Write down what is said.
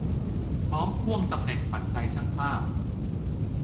พร้อมพ่วงตำแหน่งขวัญใจช่างภาพ